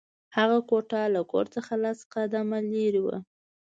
هغه کوټه له کور څخه سل قدمه لېرې وه